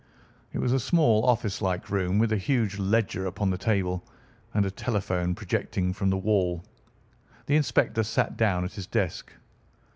It was a small, office like room, with a huge ledger upon the table, and a telephone projecting from the wall. The inspector sat down at his desk.